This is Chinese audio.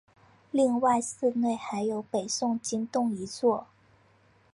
另外寺内还有北宋经幢一座。